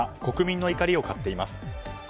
国民の怒りを買っています。